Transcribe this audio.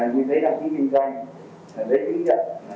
như giấy đăng ký kinh doanh giấy chứng nhận